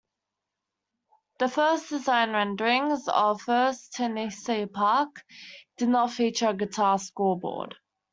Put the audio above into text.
The first design renderings of First Tennessee Park did not feature a guitar scoreboard.